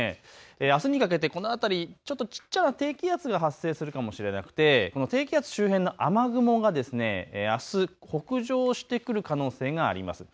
あすにかけてこの辺り、ちょっとちっちゃな低気圧が発生するかもしれなくてこの低気圧周辺の雨雲があす北上して来る可能性があります。